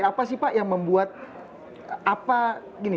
apa sih pak yang membuat